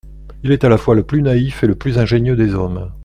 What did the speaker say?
Il est à la fois le plus naïf et le plus ingénieux des hommes.